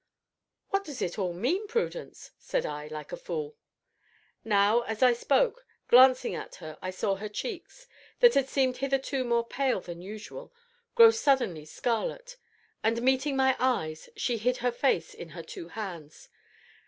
"What does it all mean, Prudence?" said I, like a fool. Now, as I spoke; glancing at her I saw her cheeks, that had seemed hitherto more pale than usual, grow suddenly scarlet, and, meeting my eyes, she hid her face in her two hands.